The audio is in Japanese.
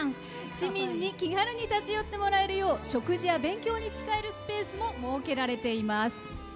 市民に気軽に立ち寄ってもらえるよう食事や勉強に使えるスペースも設けられています。